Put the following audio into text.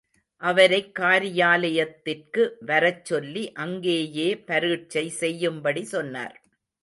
அவரைக் காரியாலயத்திற்கு வரச்சொல்லி அங்கேயே பரீட்சை செய்யும்படி சொன்னார்.